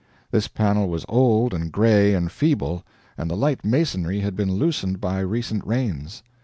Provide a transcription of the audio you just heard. This panel was old and gray and feeble, and the light masonry had been loosened by recent rains.